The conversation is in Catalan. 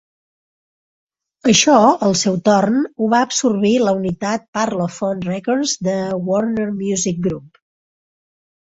Això, al seu torn, ho va absorbir la unitat Parlophone Records de Warner Music Group.